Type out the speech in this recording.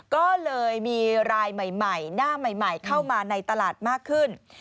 ก็เลยมีรายใหม่หน้าใหม่เข้ามาในตลาดมากขึ้น